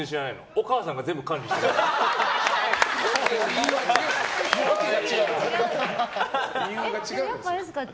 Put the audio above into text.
お母さんが全部管理してるから。